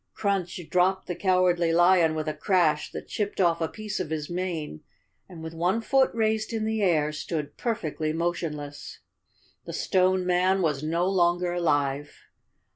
Crunch dropped the Cowardly Lion with a crash that chipped off a piece of his mane, and with one foot raised in the air stood perfectly motionless. The Stone Man was no longer alive!